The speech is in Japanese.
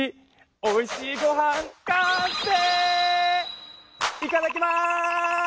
おいしいご飯完成！